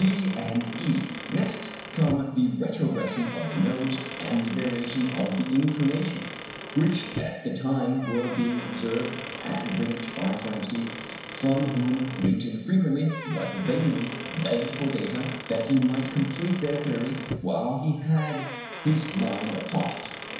(d) and (e) Next come the retrogression of the nodes and the variation of the inclination, which at the time were being observed at Greenwich by Flamsteed, from whom Newton frequently, but vainly, begged for data that he might complete their theory while he had his mind upon it.